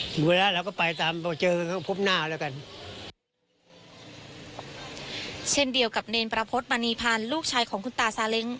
เช่นเดียวกับเนรนประพฤติมณีพันธ์ลูกชายของคุณตาซาเล็ง